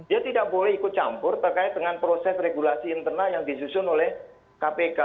dia tidak boleh ikut campur terkait dengan proses regulasi internal yang disusun oleh kpk